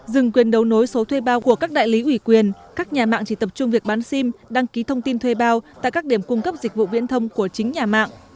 dừng quyền đấu nối số thuê bao của các đại lý ủy quyền các nhà mạng chỉ tập trung việc bán sim đăng ký thông tin thuê bao tại các điểm cung cấp dịch vụ viễn thông của chính nhà mạng